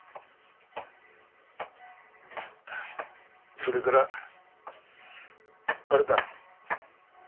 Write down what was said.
それからあれだ。